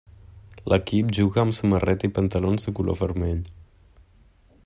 L'equip juga amb samarreta i pantalons de color vermell.